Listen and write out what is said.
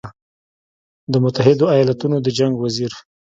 د متحدو ایالتونو د جنګ وزیر